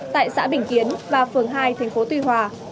tại xã bình kiến và phường hai tp tuy hòa